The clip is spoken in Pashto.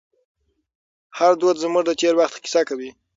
هر دود زموږ د تېر وخت کیسه کوي.